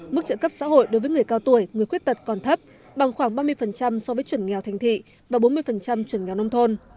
mức trợ cấp xã hội đối với người cao tuổi người khuyết tật còn thấp bằng khoảng ba mươi so với chuẩn nghèo thành thị và bốn mươi chuẩn nghèo nông thôn